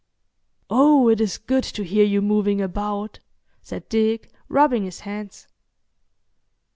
"Oh! it is good to hear you moving about," said Dick, rubbing his hands.